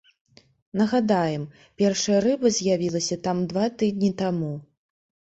Нагадаем, першая рыба з'явілася там два тыдні таму.